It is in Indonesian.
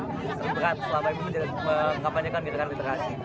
yang terberat selama ini menjadikan literasi